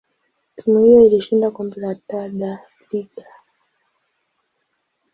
timu hiyo ilishinda kombe la Taa da Liga.